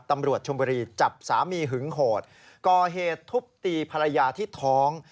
ชมบุรีจับสามีหึงโหดก่อเหตุทุบตีภรรยาที่ท้อง